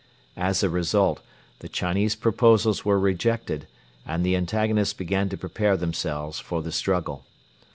As a result the Chinese proposals were rejected and the antagonists began to prepare themselves for the struggle.